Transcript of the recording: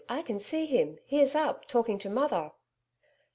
I can see him. He is up, talking to Mother.'